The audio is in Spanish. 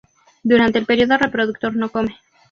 Durante el periodo reproductor no come.